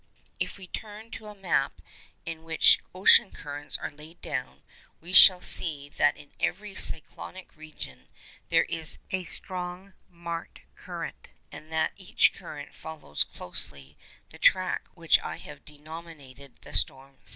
If we turn to a map in which ocean currents are laid down, we shall see that in every 'cyclone region' there is a strongly marked current, and that each current follows closely the track which I have denominated the storm ⊂.